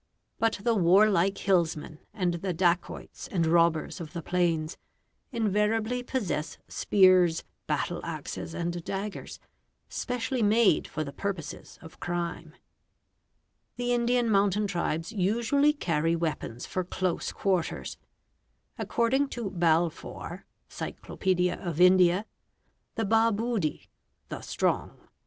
but the wai like hillsmen and the dacoits and robbers of the plains invariably posses spears, battle axes, and daggers, specially made for the purposes of crim The Indian mountain tribes usually carry weapons for close quarter According to Balfour (Cyclopedia of India) the bahbudi (the strong).